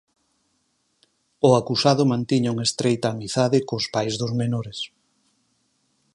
O acusado mantiña unha estreita amizade cos pais dos menores.